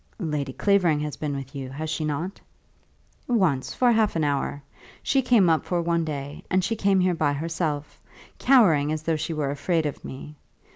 "Lady Clavering has been with you; has she not?" "Once, for half an hour. She came up for one day, and came here by herself, cowering as though she were afraid of me.